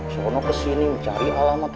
soalnya kesini mencari alamat